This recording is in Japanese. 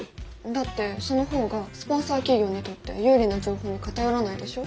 だってその方がスポンサー企業にとって有利な情報に偏らないでしょ。